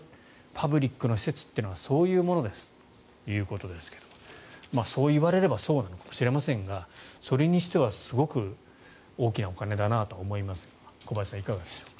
パブリックの施設っていうのはそういうものですということですがそういわれればそうなのかもしれませんがそれにしてはすごく大きなお金だなとは思いますが小林さん、いかがでしょう。